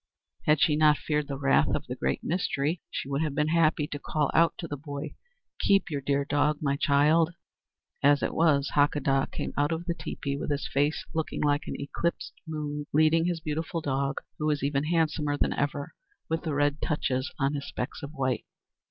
Had she not feared the wrath of the Great Mystery, she would have been happy to call out to the boy: "Keep your dear dog, my child!" As it was, Hakadah came out of the teepee with his face looking like an eclipsed moon, leading his beautiful dog, who was even handsomer than ever with the red touches on his specks of white.